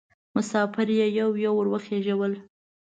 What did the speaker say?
مسافر یې یو یو ور وخېژول.